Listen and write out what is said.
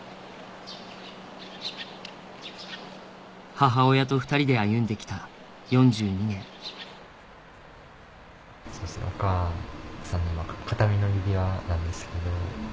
母親と２人で歩んで来た４２年お母さんの形見の指輪なんですけど。